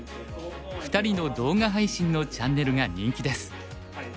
２人の動画配信のチャンネルが人気です。